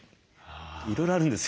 いろいろあるんですよ。